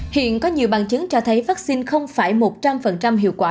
hiện có nhiều bằng chứng cho thấy vaccine không phải một trăm linh hiệu quả